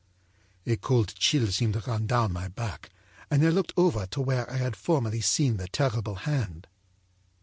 âA cold chill seemed to run down my back, and I looked over to where I had formerly seen the terrible hand.